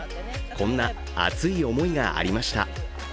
こんな熱い思いがありました。